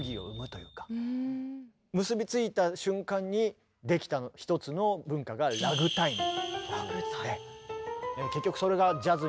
結び付いた瞬間に出来た一つの文化がラグタイム？